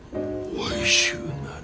おいしゅうなれ。